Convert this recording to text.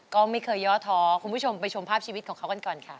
ก็ไม่เคยย่อท้อคุณผู้ชมไปชมภาพชีวิตของเขากันก่อนค่ะ